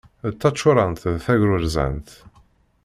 D taččurant d tagrurzant.